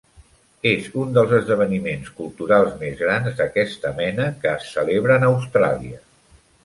És un dels esdeveniments culturals més grans d'aquesta mena que es celebren a Austràlia.